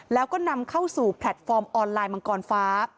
แล้วก็นำเข้าสู่แพลตฟอร์มออนไลน์มังกรฟ้า